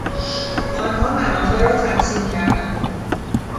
آنها منافع را تقسیم کردند.